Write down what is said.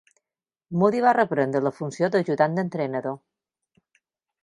Moody va reprendre la funció d'ajudant d'entrenador.